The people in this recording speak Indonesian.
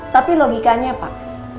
tapi logikanya pak